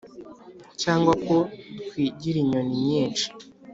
cyangwa ko twigira nyoni-nyinshi